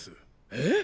えっ！？